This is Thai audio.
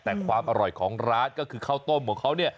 แต่ความอร่อยของร้านก็คือข้าวต้มของเขาเนี่ย